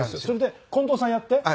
それで近藤さんやって。